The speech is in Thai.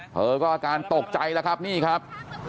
เธอก็อาการตกใจแล้วครับนี่ครับ